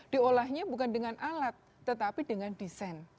diolahnya bukan dengan alat tetapi dengan desain